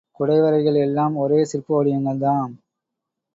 குடை வரைகள் எல்லாம் ஒரே சிற்ப வடிவங்கள் தாம்.